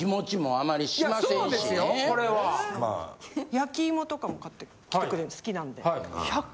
焼き芋とかも買ってきてくれて好きなんで。